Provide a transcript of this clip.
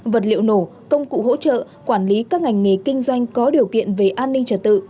vật liệu nổ công cụ hỗ trợ quản lý các ngành nghề kinh doanh có điều kiện về an ninh trật tự